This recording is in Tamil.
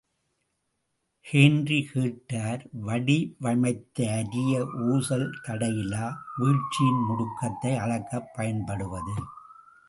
ஹேன்றி கேட்டர் வடிவமைத்த அரிய ஊசல், தடையிலா வீழ்ச்சியின் முடுக்கத்தை அளக்கப் பயன்படுவது.